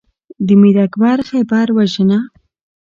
د میر اکبر خیبر وژنه